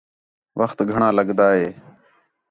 وخت گھݨاں لڳدا ہِے